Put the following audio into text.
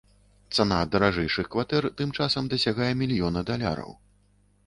Цана даражэйшых кватэр тым часам дасягае мільёна даляраў.